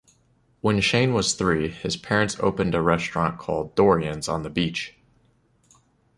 When Shane was three, his parents opened a restaurant called "Dorian's" on the beach.